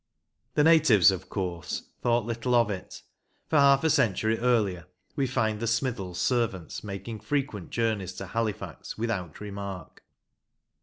The natives, of course, thought little of it, for half a century earlier we find the Smithells' servants making frequent journeys to Halifax without remark.